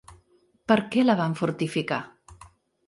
Per què la van fortificar?